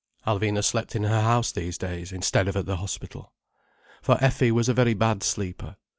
Alvina slept in her house these days, instead of at the hospital. For Effie was a very bad sleeper.